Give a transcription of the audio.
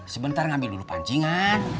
sebentar ngambil dulu pancingan